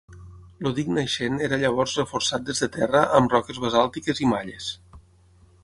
El dic naixent era llavors reforçat des de terra amb roques basàltiques i malles.